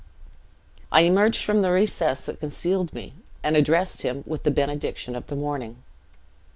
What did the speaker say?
"I emerged from the recess that concealed me, and addressed him with the benediction of the morning.